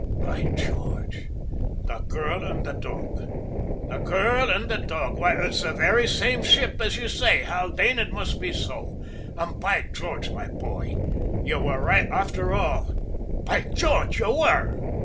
"By George, the girl and the dog, the girl and the dog. Why, it's the very same ship, as you say, Haldane; it must be so, and, by George, my boy, you were right after all! By George, you were!"